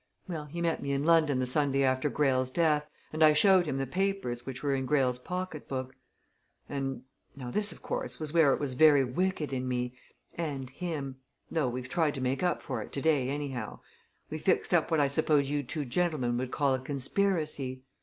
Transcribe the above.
Well, he met me in London the Sunday after Greyle's death, and I showed him the papers which were in Greyle's pocket book. And now this, of course, was where it was very wicked in me and him though we've tried to make up for it today, anyhow we fixed up what I suppose you two gentlemen would call a conspiracy.